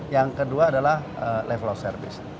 yang kedua adalah level of service